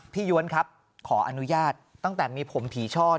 ย้วนครับขออนุญาตตั้งแต่มีผมผีช่อ